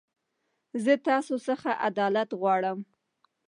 زه تاسو خڅه عدالت غواړم.